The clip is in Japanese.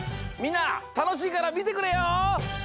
みんなたのしいからみてくれよ！